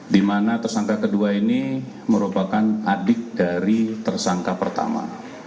di mana tersangka kedua ini merupakan adik dari tersangka pertama